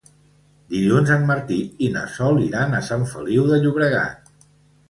Dilluns en Martí i na Sol iran a Sant Feliu de Llobregat.